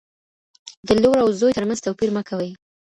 د لور او زوی ترمنځ توپیر مه کوئ.